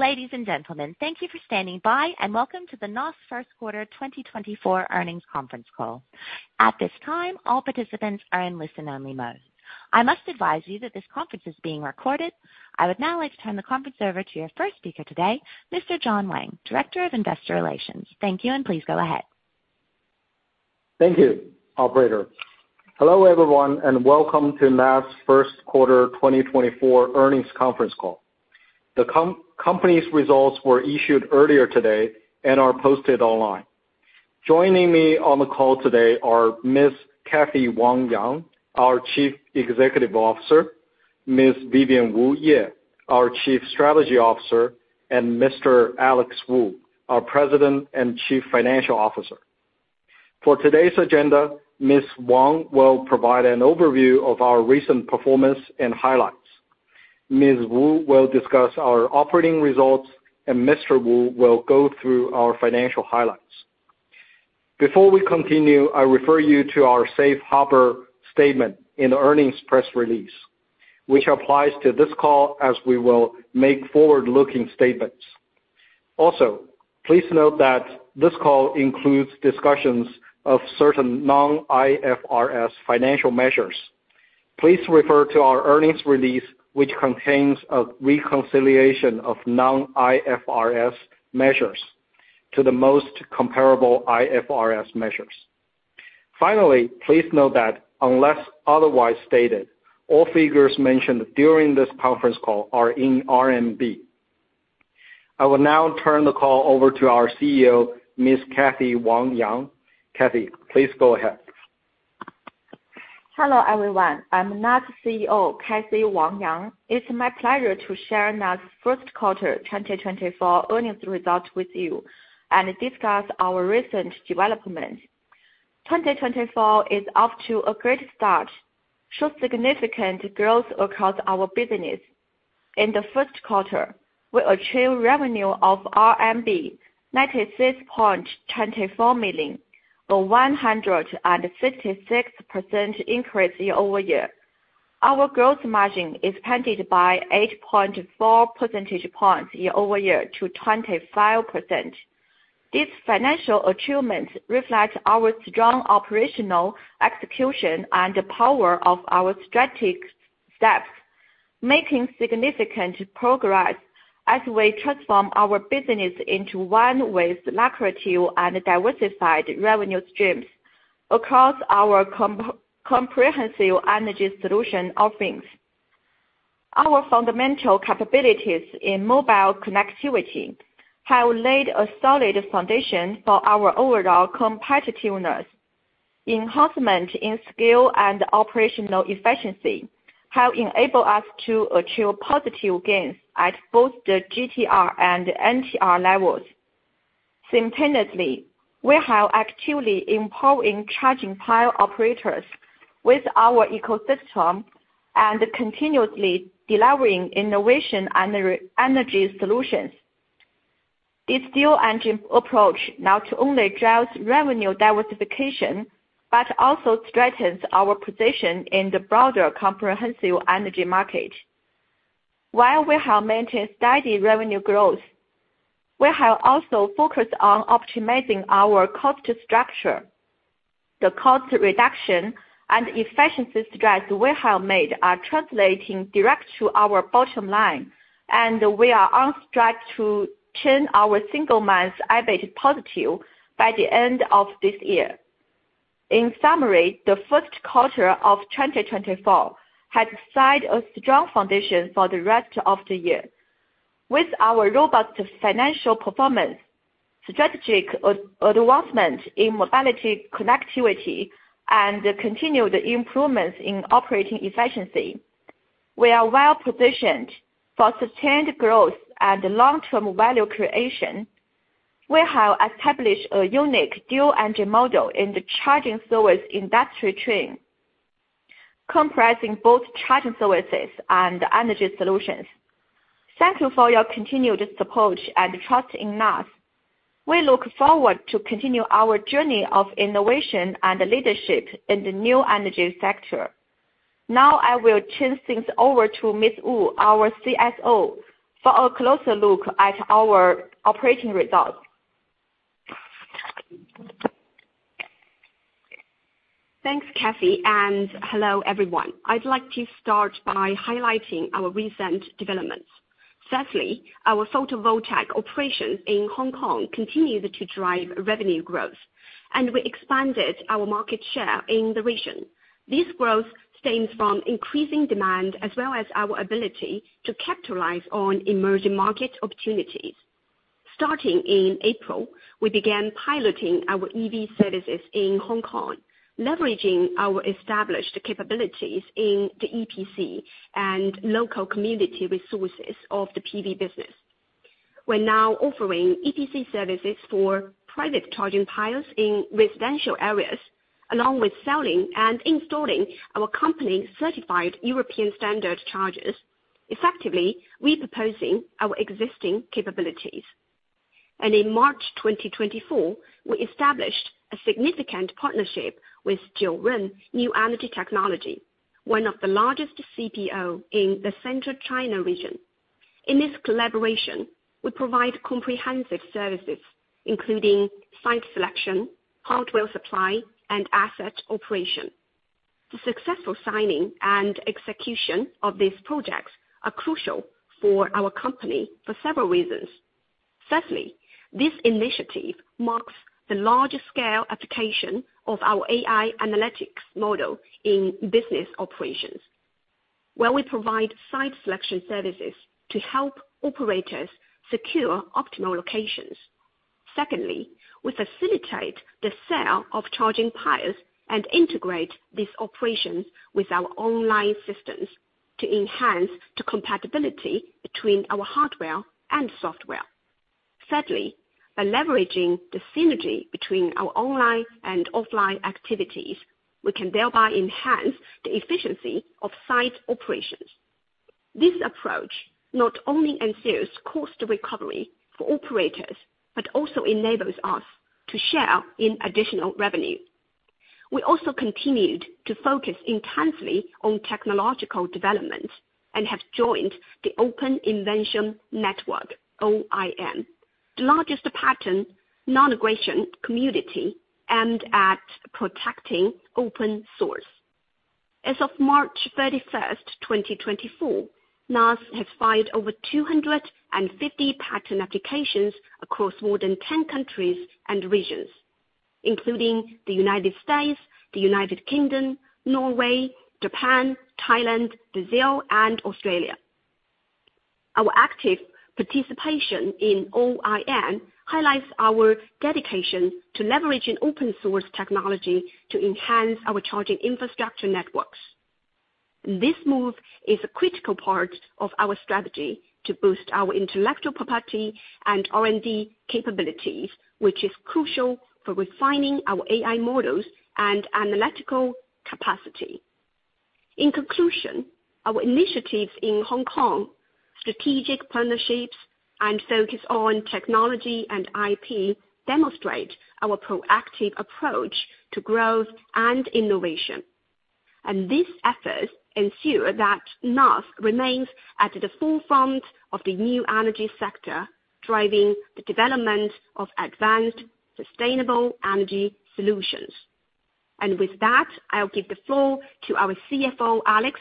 Ladies and gentlemen, thank you for standing by and welcome to the NaaS First Quarter 2024 Earnings Conference Call. At this time, all participants are in listen-only mode. I must advise you that this conference is being recorded. I would now like to turn the conference over to your first speaker today, Mr. John Wang, Director of Investor Relations. Thank you, and please go ahead. Thank you, Operator. Hello everyone, and welcome to NaaS First Quarter 2024 Earnings Conference Call. The company's results were issued earlier today and are posted online. Joining me on the call today are Ms. Cathy Wang Yang, our Chief Executive Officer, Ms. Vivian Wu Ye, our Chief Strategy Officer, and Mr. Alex Wu, our President and Chief Financial Officer. For today's agenda, Ms. Wang will provide an overview of our recent performance and highlights. Ms. Wu will discuss our operating results, and Mr. Wu will go through our financial highlights. Before we continue, I refer you to our safe harbor statement in the earnings press release, which applies to this call as we will make forward-looking statements. Also, please note that this call includes discussions of certain non-IFRS financial measures. Please refer to our earnings release, which contains a reconciliation of non-IFRS measures to the most comparable IFRS measures. Finally, please note that unless otherwise stated, all figures mentioned during this conference call are in RMB. I will now turn the call over to our CEO, Ms. Cathy Wang Yang. Cathy, please go ahead. Hello everyone. I'm NaaS's CEO, Cathy Wang Yang. It's my pleasure to share NaaS's first quarter 2024 earnings results with you and discuss our recent developments. 2024 is off to a great start, showing significant growth across our business. In the first quarter, we achieved revenue of RMB 96.24 million, a 166% increase year-over-year. Our gross margin expanded by 8.4 percentage points year-over-year to 25%. These financial achievements reflect our strong operational execution and the power of our strategic steps, making significant progress as we transform our business into one with lucrative and diversified revenue streams across our comprehensive energy solution offerings. Our fundamental capabilities in mobile connectivity have laid a solid foundation for our overall competitiveness. Enhancement in scale and operational efficiency has enabled us to achieve positive gains at both the GTR and NTR levels. Simultaneously, we have actively empowered charging pile operators with our ecosystem and continuously delivering innovation and energy solutions. This dual-engine approach not only drives revenue diversification but also strengthens our position in the broader comprehensive energy market. While we have maintained steady revenue growth, we have also focused on optimizing our cost structure. The cost reduction and efficiency strides we have made are translating directly to our bottom line, and we are on track to turn our single-month EBIT positive by the end of this year. In summary, the first quarter of 2024 has laid a strong foundation for the rest of the year. With our robust financial performance, strategic advancement in mobility connectivity, and continued improvements in operating efficiency, we are well positioned for sustained growth and long-term value creation. We have established a unique dual-engine model in the charging service industry chain, comprising both charging services and energy solutions. Thank you for your continued support and trust in NaaS. We look forward to continuing our journey of innovation and leadership in the new energy sector. Now I will turn things over to Ms. Wu, our CSO, for a closer look at our operating results. Thanks, Cathy, and hello everyone. I'd like to start by highlighting our recent developments. Firstly, our photovoltaic operations in Hong Kong continued to drive revenue growth, and we expanded our market share in the region. This growth stems from increasing demand as well as our ability to capitalize on emerging market opportunities. Starting in April, we began piloting our EV services in Hong Kong, leveraging our established capabilities in the EPC and local community resources of the PV business. We're now offering EPC services for private charging piles in residential areas, along with selling and installing our company-certified European standard chargers, effectively re-proposing our existing capabilities. In March 2024, we established a significant partnership with Jiaorun New Energy Technology, one of the largest CPOs in the Central China region. In this collaboration, we provide comprehensive services including site selection, hardware supply, and asset operation. The successful signing and execution of these projects are crucial for our company for several reasons. Firstly, this initiative marks the large-scale application of our AI analytics model in business operations, where we provide site selection services to help operators secure optimal locations. Secondly, we facilitate the sale of charging piles and integrate these operations with our online systems to enhance the compatibility between our hardware and software. Thirdly, by leveraging the synergy between our online and offline activities, we can thereby enhance the efficiency of site operations. This approach not only ensures cost recovery for operators but also enables us to share in additional revenue. We also continued to focus intensely on technological development and have joined the Open Invention Network, OIN, the largest patent non-aggression community aimed at protecting open source. As of March 31st, 2024, NaaS has filed over 250 patent applications across more than 10 countries and regions, including the United States, the United Kingdom, Norway, Japan, Thailand, Brazil, and Australia. Our active participation in OIN highlights our dedication to leveraging open-source technology to enhance our charging infrastructure networks. This move is a critical part of our strategy to boost our intellectual property and R&D capabilities, which is crucial for refining our AI models and analytical capacity. In conclusion, our initiatives in Hong Kong, strategic partnerships, and focus on technology and IP demonstrate our proactive approach to growth and innovation. These efforts ensure that NaaS remains at the forefront of the new energy sector, driving the development of advanced, sustainable energy solutions. With that, I'll give the floor to our CFO, Alex,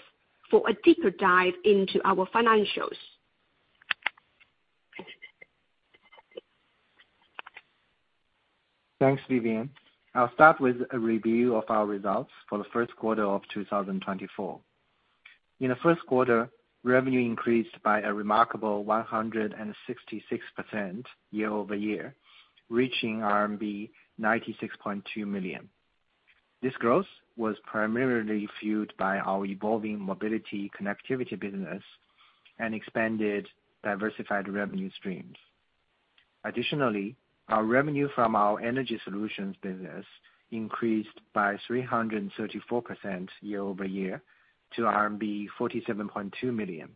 for a deeper dive into our financials. Thanks, Vivian. I'll start with a review of our results for the first quarter of 2024. In the first quarter, revenue increased by a remarkable 166% year over year, reaching RMB 96.2 million. This growth was primarily fueled by our evolving mobility connectivity business and expanded diversified revenue streams. Additionally, our revenue from our energy solutions business increased by 334% year over year to RMB 47.2 million,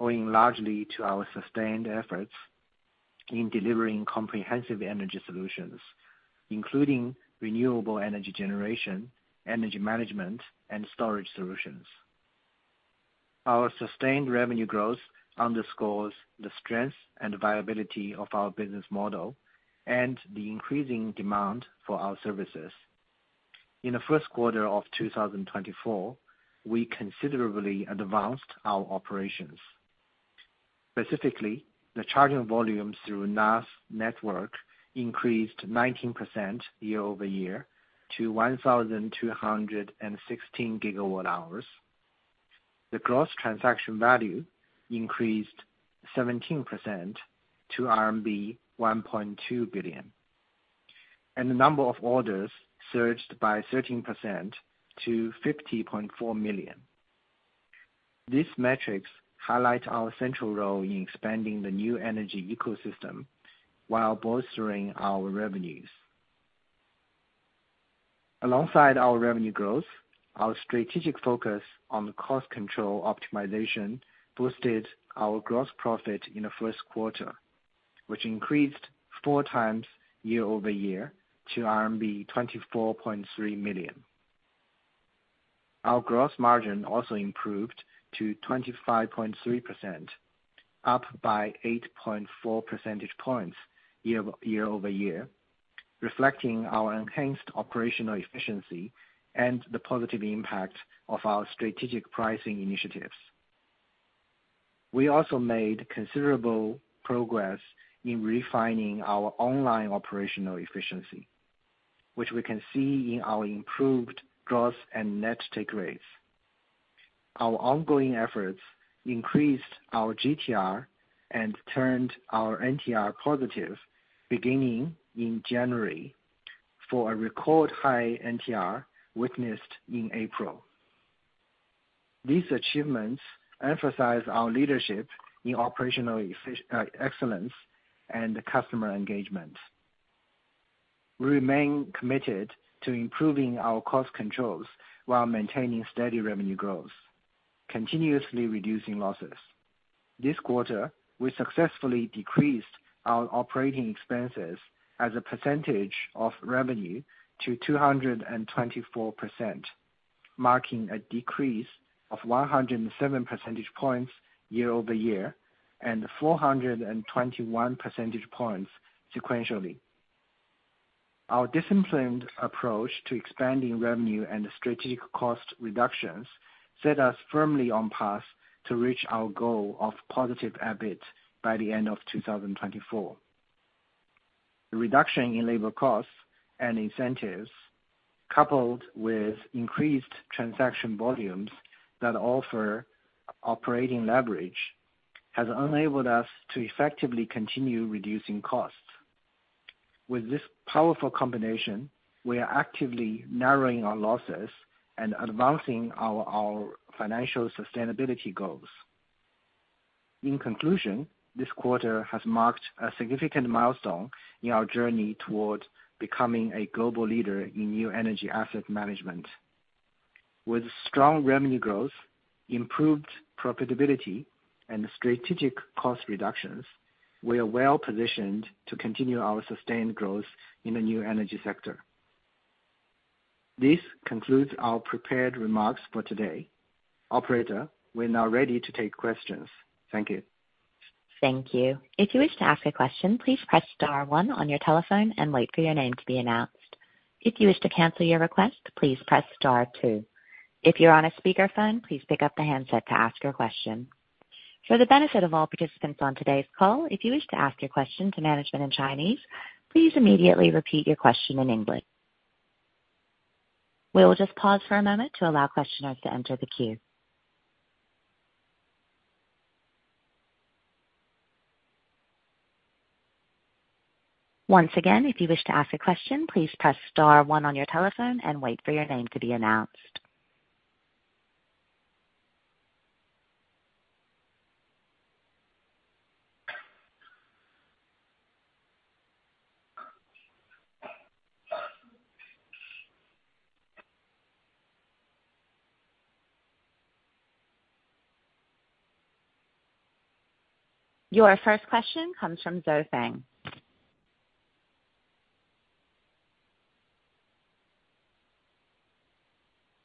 owing largely to our sustained efforts in delivering comprehensive energy solutions, including renewable energy generation, energy management, and storage solutions. Our sustained revenue growth underscores the strength and viability of our business model and the increasing demand for our services. In the first quarter of 2024, we considerably advanced our operations. Specifically, the charging volumes through NaaS Network increased 19% year over year to 1,216 GWh. The gross transaction value increased 17% to RMB 1.2 billion, and the number of orders surged by 13% to 50.4 million. These metrics highlight our central role in expanding the new energy ecosystem while bolstering our revenues. Alongside our revenue growth, our strategic focus on cost control optimization boosted our gross profit in the first quarter, which increased 4x year-over-year to RMB 24.3 million. Our gross margin also improved to 25.3%, up by 8.4 percentage points year-over-year, reflecting our enhanced operational efficiency and the positive impact of our strategic pricing initiatives. We also made considerable progress in refining our online operational efficiency, which we can see in our improved gross and net take rates. Our ongoing efforts increased our GTR and turned our NTR positive, beginning in January, for a record high NTR witnessed in April. These achievements emphasize our leadership in operational excellence and customer engagement. We remain committed to improving our cost controls while maintaining steady revenue growth, continuously reducing losses. This quarter, we successfully decreased our operating expenses as a percentage of revenue to 224%, marking a decrease of 107 percentage points year-over-year and 421 percentage points sequentially. Our disciplined approach to expanding revenue and strategic cost reductions set us firmly on path to reach our goal of positive EBIT by the end of 2024. The reduction in labor costs and incentives, coupled with increased transaction volumes that offer operating leverage, has enabled us to effectively continue reducing costs. With this powerful combination, we are actively narrowing our losses and advancing our financial sustainability goals. In conclusion, this quarter has marked a significant milestone in our journey toward becoming a global leader in new energy asset management. With strong revenue growth, improved profitability, and strategic cost reductions, we are well positioned to continue our sustained growth in the new energy sector. This concludes our prepared remarks for today. Operator, we're now ready to take questions. Thank you. Thank you. If you wish to ask a question, please press star one on your telephone and wait for your name to be announced. If you wish to cancel your request, please press star two. If you're on a speakerphone, please pick up the handset to ask your question. For the benefit of all participants on today's call, if you wish to ask your question to management in Chinese, please immediately repeat your question in English. We'll just pause for a moment to allow questioners to enter the queue. Once again, if you wish to ask a question, please press star one on your telephone and wait for your name to be announced. Your first question comes from Zoe Feng.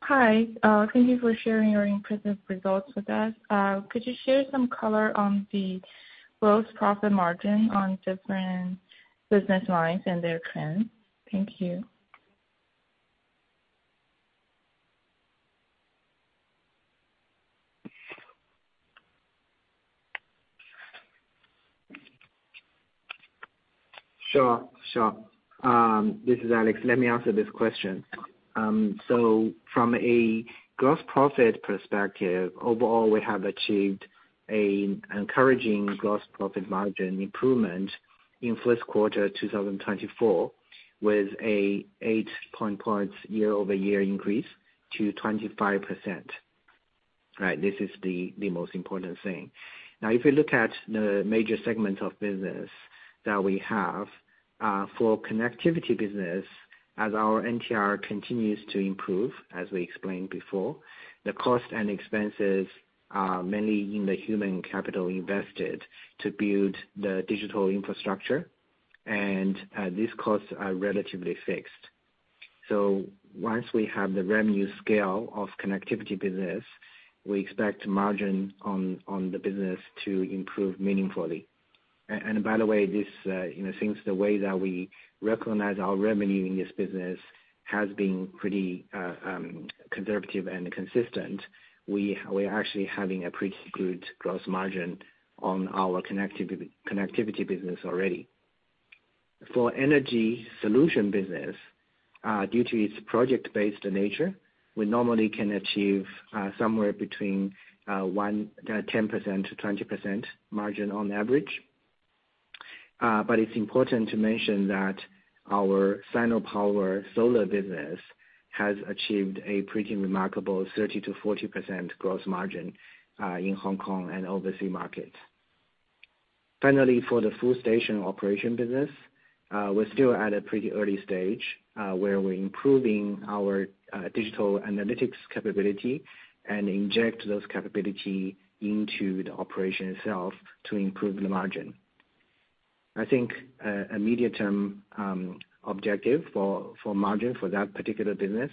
Hi. Thank you for sharing your impressive results with us. Could you share some color on the gross profit margin on different business lines and their trends? Thank you. Sure. Sure. This is Alex. Let me answer this question. So from a gross profit perspective, overall, we have achieved an encouraging gross profit margin improvement in first quarter 2024 with an 8 percentage point year-over-year increase to 25%. Right? This is the most important thing. Now, if you look at the major segments of business that we have, for connectivity business, as our NTR continues to improve, as we explained before, the cost and expenses are mainly in the human capital invested to build the digital infrastructure, and these costs are relatively fixed. So once we have the revenue scale of connectivity business, we expect margin on the business to improve meaningfully. And by the way, since the way that we recognize our revenue in this business has been pretty conservative and consistent, we are actually having a pretty good gross margin on our connectivity business already. For energy solution business, due to its project-based nature, we normally can achieve somewhere between 10%-20% margin on average. But it's important to mention that our Sinopower solar business has achieved a pretty remarkable 30%-40% gross margin in Hong Kong and overseas markets. Finally, for the full-station operation business, we're still at a pretty early stage where we're improving our digital analytics capability and inject those capabilities into the operation itself to improve the margin. I think a medium-term objective for margin for that particular business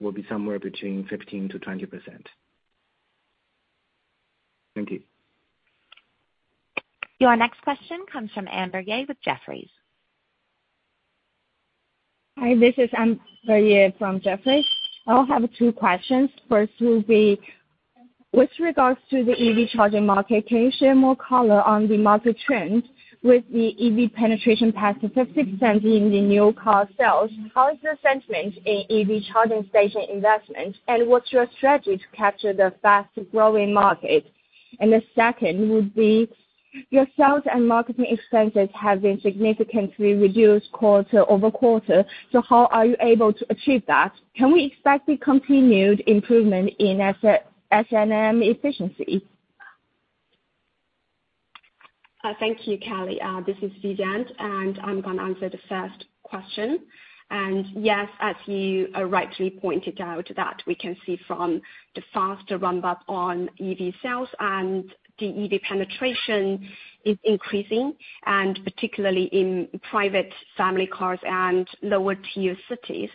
will be somewhere between 15%-20%. Thank you. Your next question comes from Amber Ye with Jefferies. Hi. This is Amber Ye from Jefferies. I'll have two questions. First will be, with regards to the EV charging market, can you share more color on the market trends? With the EV penetration past 50% in the new car sales, how is the sentiment in EV charging station investments, and what's your strategy to capture the fast-growing market? And the second would be, your sales and marketing expenses have been significantly reduced quarter-over-quarter, so how are you able to achieve that? Can we expect the continued improvement in S&M efficiency? Thank you, Callie. This is Vivian, and I'm going to answer the first question. Yes, as you rightly pointed out, that we can see from the faster ramp-up on EV sales, and the EV penetration is increasing, and particularly in private family cars and lower-tier cities.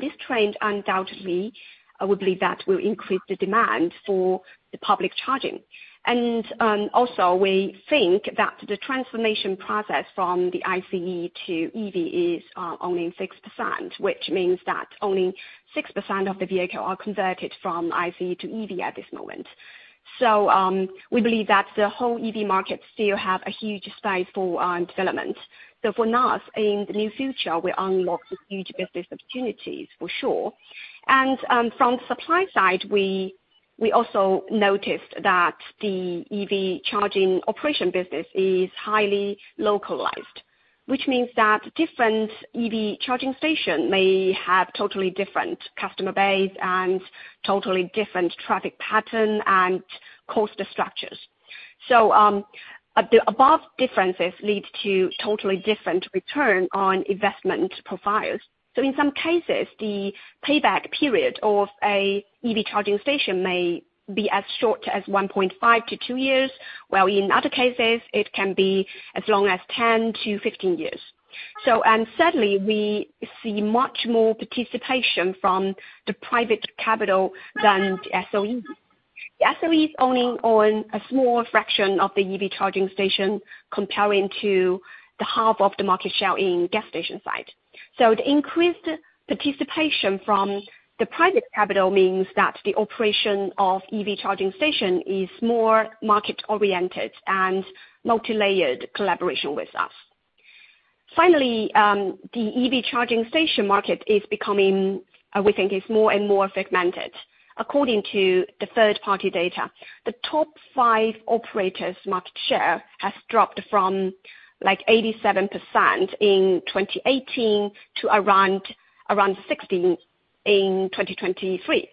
This trend, undoubtedly, I would believe that will increase the demand for the public charging. Also, we think that the transformation process from the ICE to EV is only 6%, which means that only 6% of the vehicles are converted from ICE to EV at this moment. So we believe that the whole EV market still has a huge space for development. For NaaS, in the near future, we unlock huge business opportunities for sure. From the supply side, we also noticed that the EV charging operation business is highly localized, which means that different EV charging stations may have totally different customer base and totally different traffic patterns and cost structures. The above differences lead to totally different returns on investment profiles. In some cases, the payback period of an EV charging station may be as short as 1.5 years-2 years, while in other cases, it can be as long as 10 years-15 years. Certainly, we see much more participation from the private capital than the SOE. The SOE is owning only a small fraction of the EV charging station comparing to half of the market share in the gas station side. The increased participation from the private capital means that the operation of EV charging stations is more market-oriented and multilayered collaboration with us. Finally, the EV charging station market is becoming, we think, more and more fragmented. According to the third-party data, the top five operators' market share has dropped from 87% in 2018 to around 60% in 2023.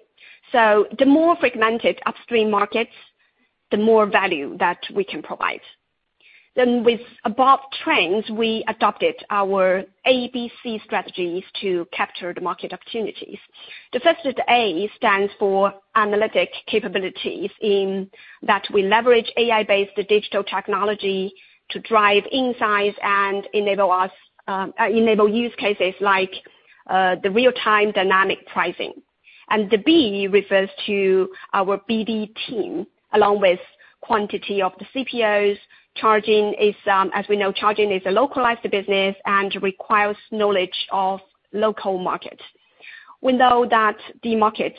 So the more fragmented upstream markets, the more value that we can provide. Then with above trends, we adopted our ABC strategies to capture the market opportunities. The first of the A stands for analytic capabilities in that we leverage AI-based digital technology to drive insights and enable use cases like the real-time dynamic pricing. And the B refers to our BD team, along with the quantity of the CPOs. As we know, charging is a localized business and requires knowledge of the local market. We know that the market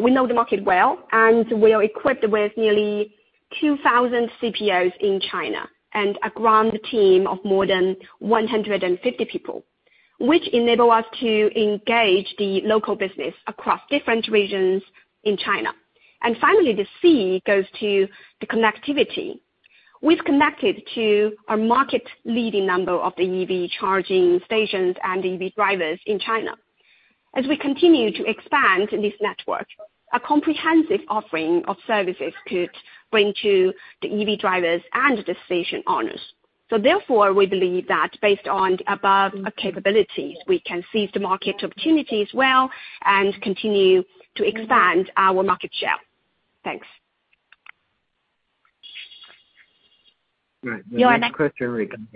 we know the market well, and we are equipped with nearly 2,000 CPOs in China and a ground team of more than 150 people, which enable us to engage the local business across different regions in China. And finally, the C goes to the connectivity. We've connected to a market-leading number of the EV charging stations and EV drivers in China. As we continue to expand this network, a comprehensive offering of services could bring to the EV drivers and the station owners. So therefore, we believe that based on the above capabilities, we can seize the market opportunities well and continue to expand our market share. Thanks. Right. The next question regarding,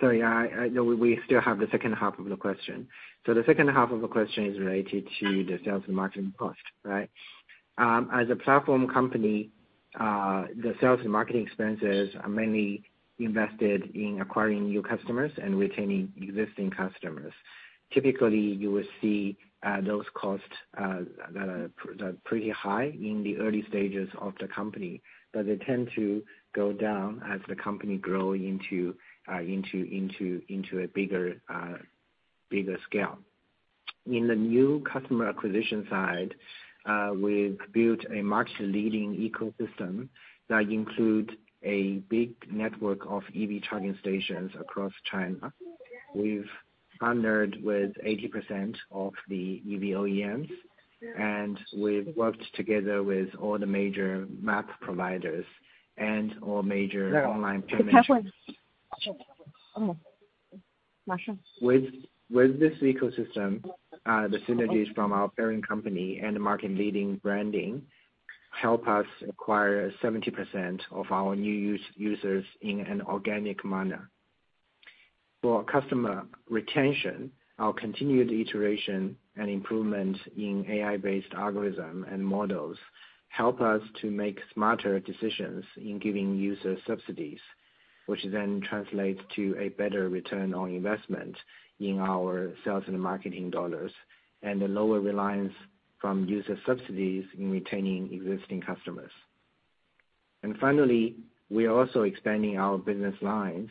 sorry, I know we still have the second half of the question. So the second half of the question is related to the sales and marketing cost, right? As a platform company, the sales and marketing expenses are mainly invested in acquiring new customers and retaining existing customers. Typically, you will see those costs that are pretty high in the early stages of the company, but they tend to go down as the company grows into a bigger scale. In the new customer acquisition side, we've built a market-leading ecosystem that includes a big network of EV charging stations across China. We've partnered with 80% of the EV OEMs, and we've worked together with all the major map providers and all major online payments. NaaS. With this ecosystem, the synergies from our parent company and the market-leading branding help us acquire 70% of our new users in an organic manner. For customer retention, our continued iteration and improvement in AI-based algorithms and models help us to make smarter decisions in giving users subsidies, which then translates to a better return on investment in our sales and marketing dollars and a lower reliance from user subsidies in retaining existing customers. And finally, we are also expanding our business lines,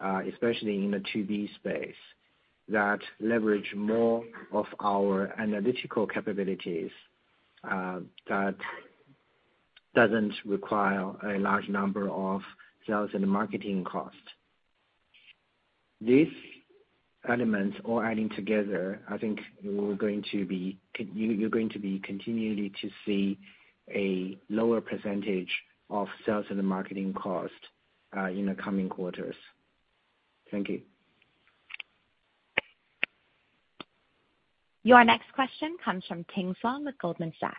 especially in the 2B space, that leverage more of our analytical capabilities that doesn't require a large number of sales and marketing costs. These elements, all adding together, I think you're going to be continuing to see a lower percentage of sales and marketing costs in the coming quarters. Thank you. Your next question comes from Ting Song with Goldman Sachs.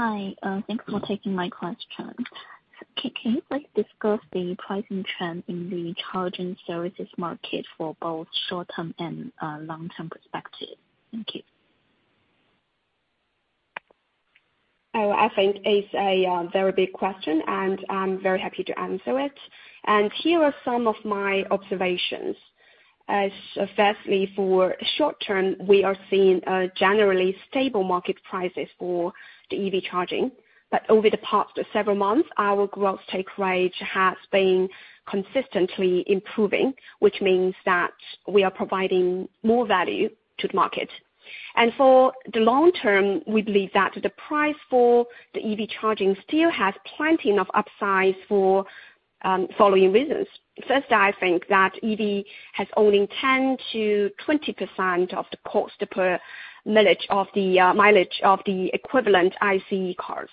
Hi. Thanks for taking my question. Can you please discuss the pricing trend in the charging services market for both short-term and long-term perspectives? Thank you. I think it's a very big question, and I'm very happy to answer it. Here are some of my observations. Firstly, for short term, we are seeing generally stable market prices for the EV charging. But over the past several months, our gross take rate has been consistently improving, which means that we are providing more value to the market. For the long term, we believe that the price for the EV charging still has plenty enough upside for following reasons. First, I think that EV has only 10%-20% of the cost per mileage of the equivalent ICE cars.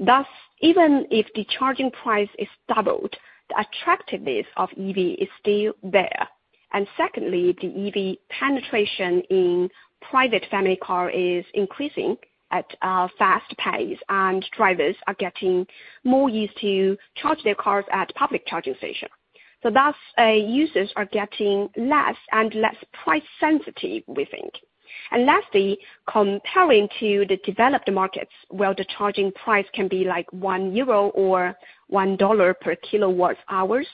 Thus, even if the charging price is doubled, the attractiveness of EV is still there. And secondly, the EV penetration in private family cars is increasing at a fast pace, and drivers are getting more used to charging their cars at public charging stations. Thus, users are getting less and less price-sensitive, we think. And lastly, comparing to the developed markets, where the charging price can be 1 euro or $1 per kWh,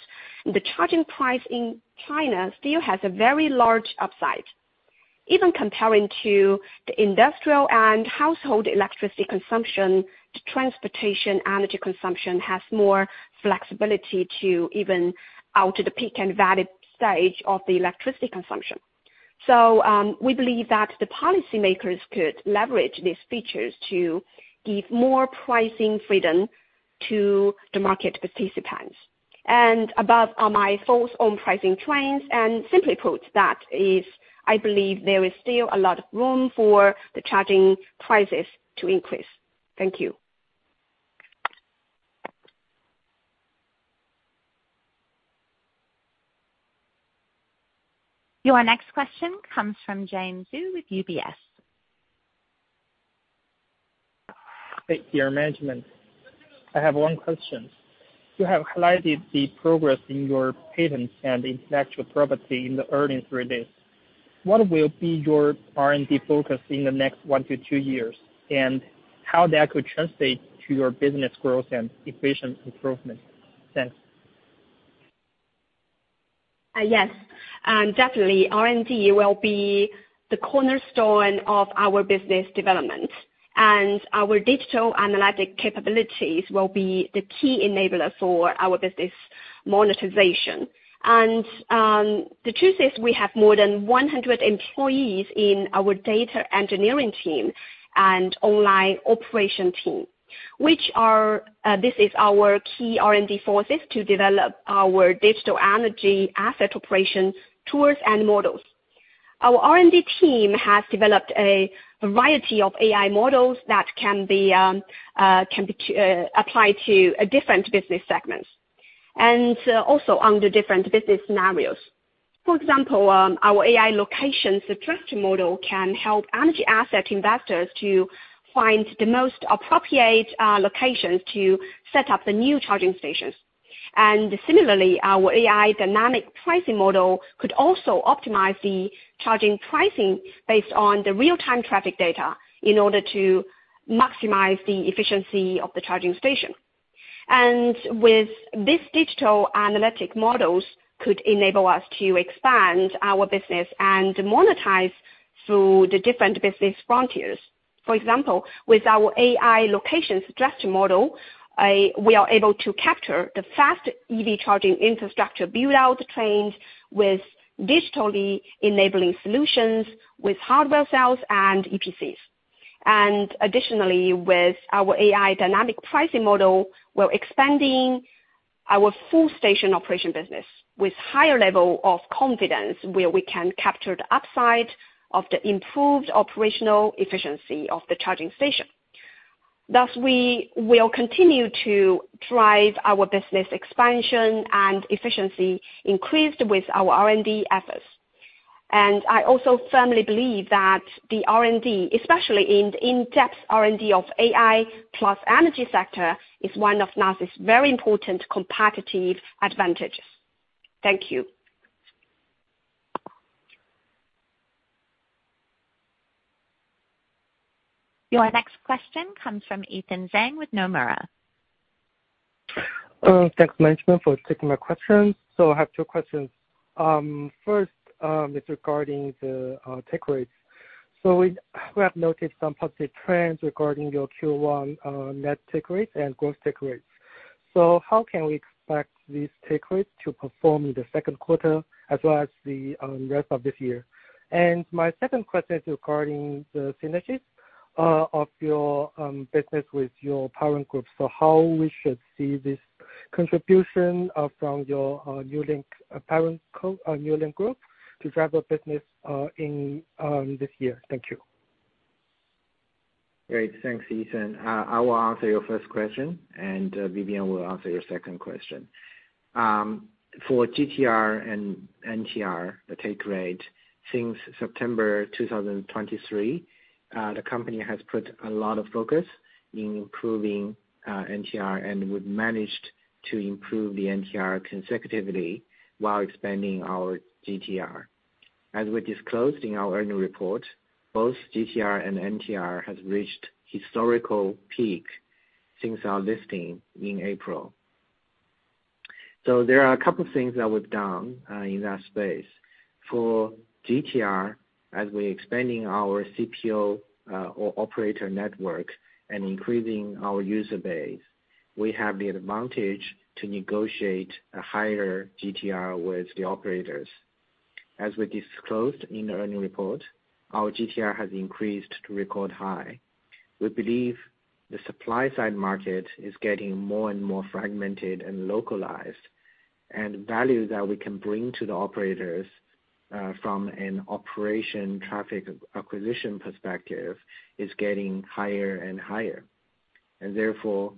the charging price in China still has a very large upside. Even comparing to the industrial and household electricity consumption, the transportation energy consumption has more flexibility to even out the peak and valley stage of the electricity consumption. So we believe that the policymakers could leverage these features to give more pricing freedom to the market participants. And above are my thoughts on pricing trends. And simply put, that is, I believe there is still a lot of room for the charging prices to increase. Thank you. Your next question comes from James Zhu with UBS. Hello, management. I have one question. You have highlighted the progress in your patents and intellectual property in the earnings release. What will be your R&D focus in the next one to two years, and how that could translate to your business growth and efficient improvement? Thanks. Yes. Definitely, R&D will be the cornerstone of our business development, and our digital analytics capabilities will be the key enabler for our business monetization. The truth is, we have more than 100 employees in our data engineering team and online operation team, which are our key R&D forces to develop our digital energy asset operation tools and models. Our R&D team has developed a variety of AI models that can be applied to different business segments and also under different business scenarios. For example, our AI location suggestion model can help energy asset investors to find the most appropriate locations to set up the new charging stations. Similarly, our AI dynamic pricing model could also optimize the charging pricing based on the real-time traffic data in order to maximize the efficiency of the charging station. With these digital analytic models, could enable us to expand our business and monetize through the different business frontiers. For example, with our AI location suggestion model, we are able to capture the fast EV charging infrastructure buildout trend with digitally enabling solutions with hardware sales and EPCs. Additionally, with our AI dynamic pricing model, we're expanding our full station operation business with a higher level of confidence where we can capture the upside of the improved operational efficiency of the charging station. Thus, we will continue to drive our business expansion and efficiency increased with our R&D efforts. I also firmly believe that the R&D, especially in the in-depth R&D of AI plus energy sector, is one of NaaS very important competitive advantages. Thank you. Your next question comes from Ethan Zhang with Nomura. Thanks, management, for taking my questions. I have two questions. First, it's regarding the take rates. We have noted some positive trends regarding your Q1 net take rates and gross take rates. How can we expect these take rates to perform in the second quarter as well as the rest of this year? And my second question is regarding the synergies of your business with your parent group. How we should see this contribution from your newly parent group to drive the business in this year. Thank you. Great. Thanks, Ethan. I will answer your first question, and Vivian will answer your second question. For GTR and NTR, the take rate, since September 2023, the company has put a lot of focus in improving NTR and would manage to improve the NTR consecutively while expanding our GTR. As we disclosed in our earnings report, both GTR and NTR have reached historical peak since our listing in April. So there are a couple of things that we've done in that space. For GTR, as we're expanding our CPO or operator network and increasing our user base, we have the advantage to negotiate a higher GTR with the operators. As we disclosed in the earnings report, our GTR has increased to record high. We believe the supply-side market is getting more and more fragmented and localized, and value that we can bring to the operators from an operation traffic acquisition perspective is getting higher and higher. And therefore,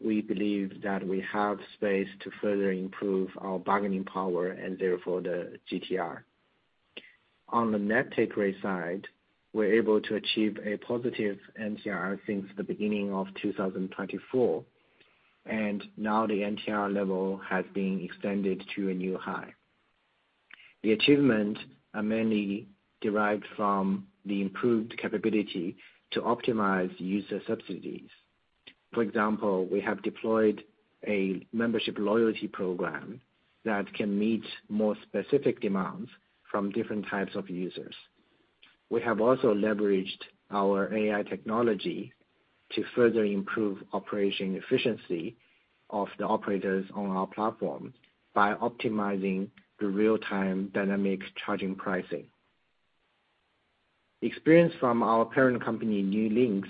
we believe that we have space to further improve our bargaining power and therefore the GTR. On the net take rate side, we're able to achieve a positive NTR since the beginning of 2024, and now the NTR level has been extended to a new high. The achievement are mainly derived from the improved capability to optimize user subsidies. For example, we have deployed a membership loyalty program that can meet more specific demands from different types of users. We have also leveraged our AI technology to further improve operation efficiency of the operators on our platform by optimizing the real-time dynamic charging pricing. Experience from our parent company, NewLink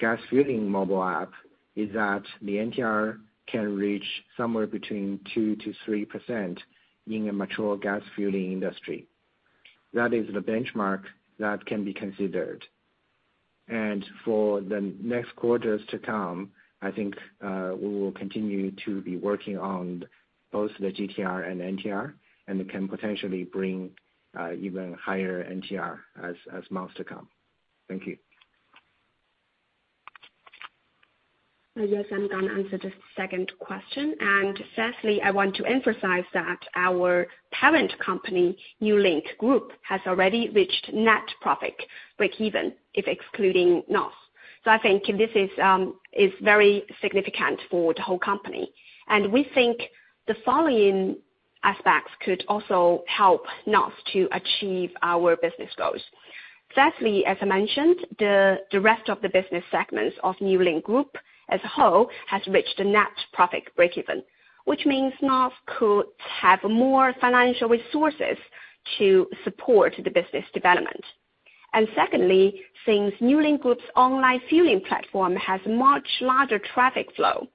gas-fueling mobile app, is that the NTR can reach somewhere between 2%-3% in a mature gas-fueling industry. That is the benchmark that can be considered. And for the next quarters to come, I think we will continue to be working on both the GTR and NTR and can potentially bring even higher NTR as months to come. Thank you. Yes, I'm going to answer just the second question. Firstly, I want to emphasize that our parent company, NewLink Group, has already reached net profit break-even, if excluding NaaS. So I think this is very significant for the whole company. And we think the following aspects could also help NaaS to achieve our business goals. Firstly, as I mentioned, the rest of the business segments of NewLink Group as a whole has reached a net profit break-even, which means NaaS could have more financial resources to support the business development. And secondly, since NewLink Group's online fueling platform has a much larger traffic flow,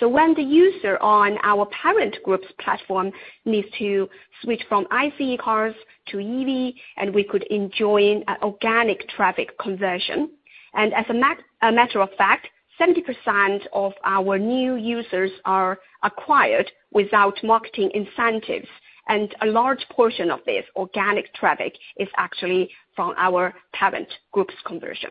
so when the user on our parent group's platform needs to switch from ICE cars to EV, we could enjoy an organic traffic conversion. As a matter of fact, 70% of our new users are acquired without marketing incentives, and a large portion of this organic traffic is actually from our parent group's conversion.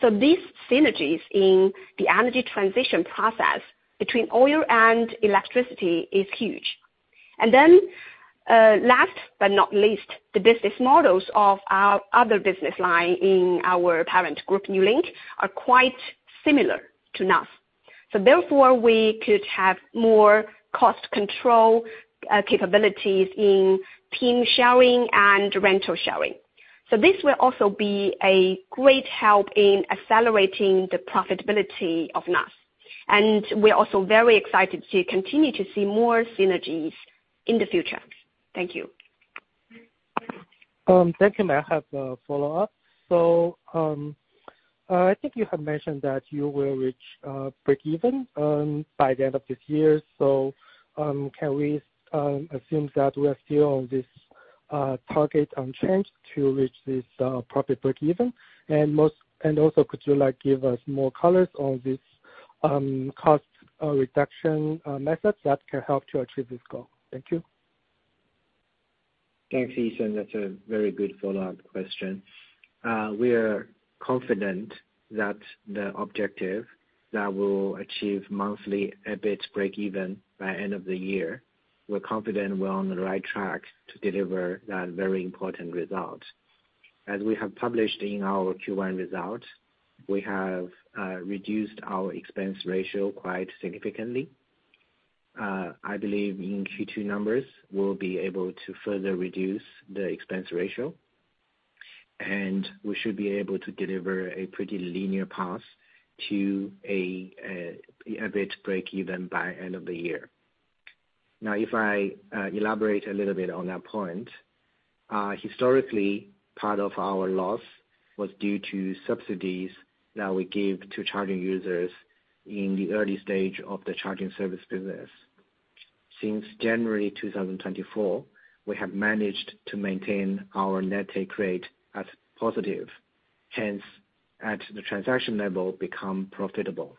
So these synergies in the energy transition process between oil and electricity is huge. And then last but not least, the business models of our other business line in our parent group, NewLink, are quite similar to NaaS. So therefore, we could have more cost control capabilities in team sharing and rental sharing. So this will also be a great help in accelerating the profitability of NaaS. And we're also very excited to continue to see more synergies in the future. Thank you. Thank you, Ma'am. I have a follow-up. So I think you have mentioned that you will reach break-even by the end of this year. So can we assume that we are still on this target unchanged to reach this profit break-even? And also, could you give us more colors on these cost reduction methods that can help to achieve this goal? Thank you. Thanks, Ethan. That's a very good follow-up question. We are confident that the objective that we'll achieve monthly EBIT break-even by the end of the year. We're confident we're on the right track to deliver that very important result. As we have published in our Q1 results, we have reduced our expense ratio quite significantly. I believe in Q2 numbers, we'll be able to further reduce the expense ratio, and we should be able to deliver a pretty linear path to an EBIT break-even by the end of the year. Now, if I elaborate a little bit on that point, historically, part of our loss was due to subsidies that we give to charging users in the early stage of the charging service business. Since January 2024, we have managed to maintain our net take rate as positive, hence, at the transaction level, become profitable.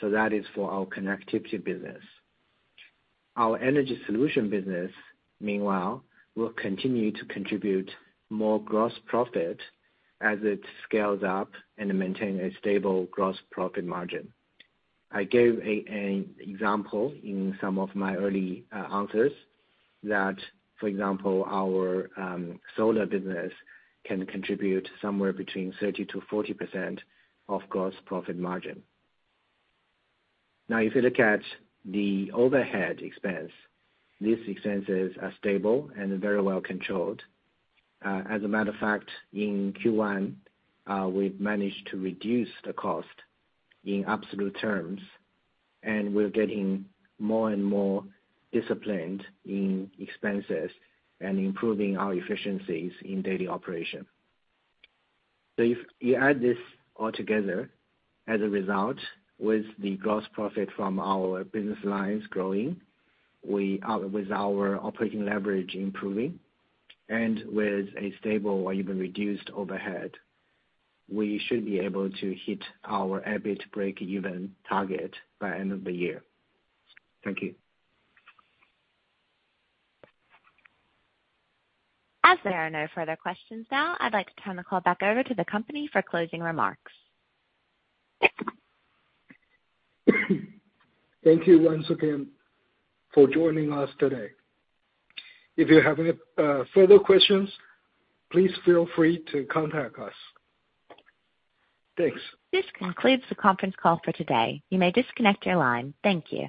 So that is for our connectivity business. Our energy solution business, meanwhile, will continue to contribute more gross profit as it scales up and maintains a stable gross profit margin. I gave an example in some of my early answers that, for example, our solar business can contribute somewhere between 30%-40% of gross profit margin. Now, if you look at the overhead expense, these expenses are stable and very well controlled. As a matter of fact, in Q1, we've managed to reduce the cost in absolute terms, and we're getting more and more disciplined in expenses and improving our efficiencies in daily operation. So if you add this all together, as a result, with the gross profit from our business lines growing, with our operating leverage improving, and with a stable or even reduced overhead, we should be able to hit our EBIT break-even target by the end of the year. Thank you. As there are no further questions now, I'd like to turn the call back over to the company for closing remarks. Thank you once again for joining us today. If you have any further questions, please feel free to contact us. Thanks. This concludes the conference call for today. You may disconnect your line. Thank you.